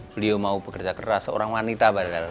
beliau mau bekerja keras seorang wanita padahal